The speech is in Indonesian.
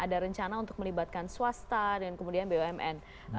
karena ada rencana untuk melibatkan swasta dan kemudian bumn